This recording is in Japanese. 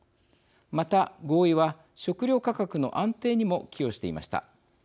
また、合意は食料価格の安定にも寄与していました。